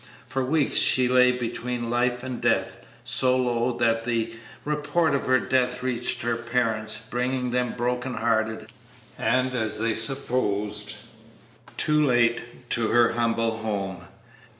For weeks she lay between life and death, so low that the report of her death reached her parents, bringing them broken hearted and, as they supposed, too late to her humble home.